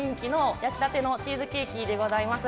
焼きたてチーズケーキでございます。